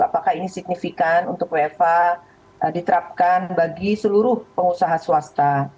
apakah ini signifikan untuk wfa diterapkan bagi seluruh pengusaha swasta